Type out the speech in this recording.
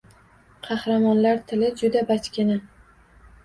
Qahramonlar tili juda bachkana.